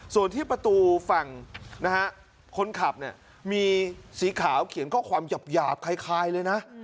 ส่วนที่ประตูฝั่งนะฮะคนขับเนี่ยมีสีขาวเขียนข้อความหยาบคล้ายเลยนะ